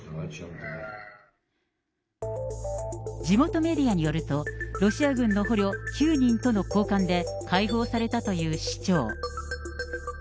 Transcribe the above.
地元メディアによると、ロシア軍の捕虜９人との交換で解放されたという市長。